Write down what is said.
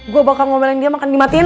gue bakal ngobrolin dia makan dimatiin